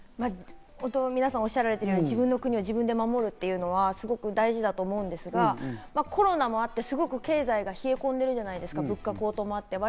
皆さんがおっしゃられているように、自分の国を自分で守るというのはすごく大事だと思うんですが、コロナもあってすごく経済が冷え込んでるじゃないですか、物価高騰もあって。